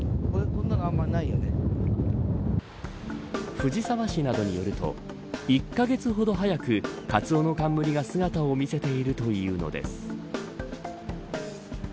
藤沢市などによると１カ月ほど早くカツオノカンムリが姿を見せているというのです。